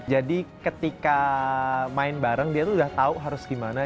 jadi ketika main bareng dia tuh udah tau harus gimana